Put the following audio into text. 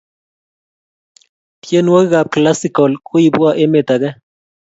tienwokik ap classical koibwa emet ake